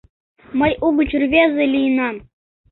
Мый угыч рвезе лийынам.